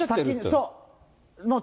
そう。